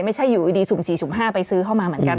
ไม่ใช่อยู่อยู่ดีสูง๔สูง๕ไปซื้อเข้ามาเหมือนกัน